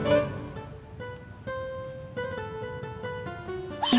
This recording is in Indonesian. kamu juga suka